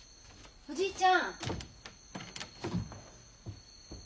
おじいちゃん